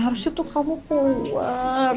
harusnya tuh kamu keluar